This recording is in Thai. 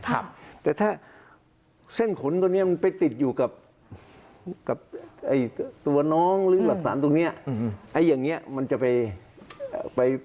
แต่ถ้าเส้นขนตรงนี้ไปติดอยู่กับตัวน้องหรือหลักฐานตรงนี้